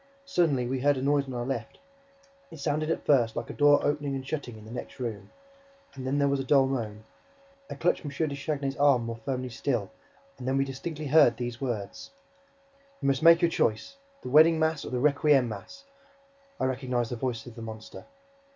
Suddenly, we heard a noise on our left. It sounded at first like a door opening and shutting in the next room; and then there was a dull moan. I clutched M. de Chagny's arm more firmly still; and then we distinctly heard these words: "You must make your choice! The wedding mass or the requiem mass!" I recognized the voice of the monster.